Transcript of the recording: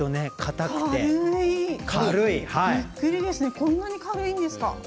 こんなに軽いんですか。